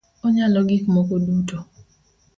Onyalo gik moko duto